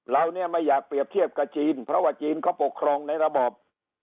เราเนี่ยไม่อยากเปรียบเทียบกับจีนเพราะว่าจีนเขาปกครองในระบอบ